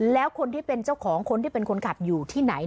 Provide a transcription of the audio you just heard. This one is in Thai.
แล้วคนที่เป็นเจ้าของคนที่เป็นคนขับอยู่ที่ไหน